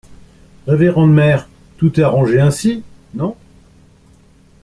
Révérende mère, tout est arrangé ainsi ? Non.